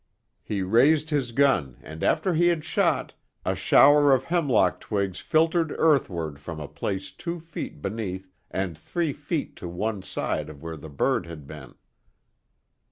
He raised his gun and after he had shot, a shower of hemlock twigs filtered earthward from a place two feet beneath and three feet to one side of where the bird had been.